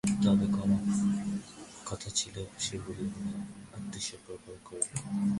তবে কড়া কথা কিছু সে বলিল না, আত্মসম্বরণ করিল।